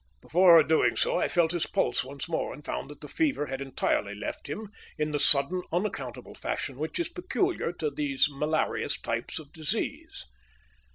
Before doing so I felt his pulse once more, and found that the fever had entirely left him in the sudden, unaccountable fashion which is peculiar to these malarious types of disease.